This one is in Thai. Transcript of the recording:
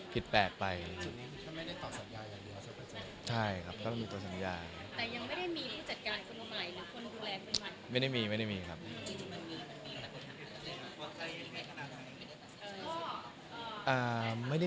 ว่าทำไมถึงมีข่าวมา